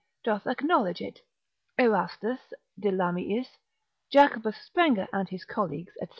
doth acknowledge it: Erastus de Lamiis, Jacobus Sprenger and his colleagues, &c.